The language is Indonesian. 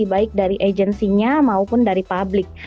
baik dari agensinya maupun dari publik